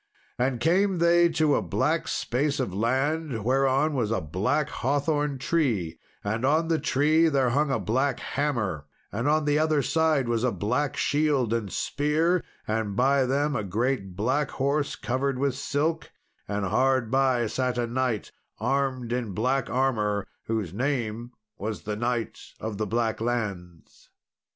Then came they to a black space of land, whereon was a black hawthorn tree, and on the tree there hung a black banner, and on the other side was a black shield and spear, and by them a great black horse, covered with silk; and hard by sat a knight armed in black armour, whose name was the Knight of the Blacklands.